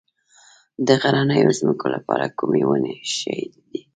د غرنیو ځمکو لپاره کومې ونې ښې دي؟